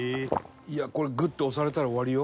「いやこれグッて押されたら終わりよ？」